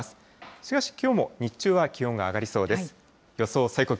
しかしきょうも、日中は気温が上がりそうです。